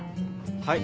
はい。